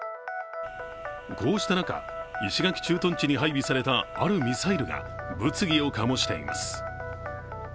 こうした中、石垣駐屯地に配備されたあるミサイルが物議を醸しています。